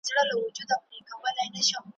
يو او بل ته په خبرو په كيسو سو ,